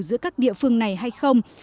giữa các địa phương này hay không